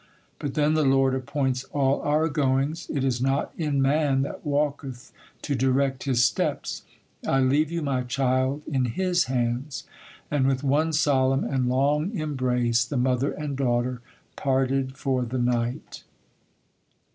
But then the Lord appoints all our goings: it is not in man that walketh to direct his steps;—I leave you, my child, in His hands.' And, with one solemn and long embrace, the mother and daughter parted for the night.